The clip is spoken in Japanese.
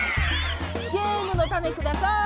ゲームのタネください！